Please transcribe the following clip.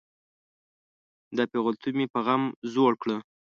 دا پیغلتوب مې په غم زوړ کړه.